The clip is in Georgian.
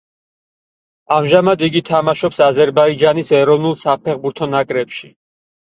ამჟამად იგი თამაშობს აზერბაიჯანის ეროვნულ საფეხბურთო ნაკრებში.